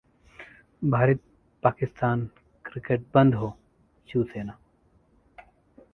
Bharat Pakistan cricket बंद हो: शिवसेना